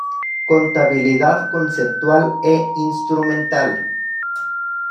Contabilidad conceptual e instrumental.